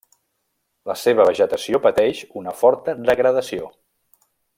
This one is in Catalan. La seva vegetació pateix una forta degradació.